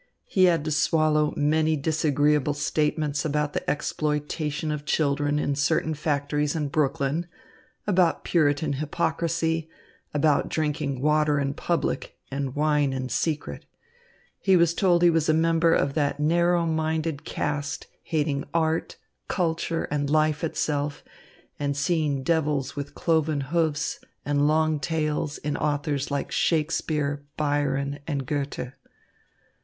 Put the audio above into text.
He had to swallow many disagreeable statements about the exploitation of children in certain factories in Brooklyn, about Puritan hypocrisy, about drinking water in public and wine in secret. He was told he was a member of that narrow minded caste hating art, culture, and life itself, and seeing devils with cloven hoofs and long tails in authors like Shakespeare, Byron, and Goethe.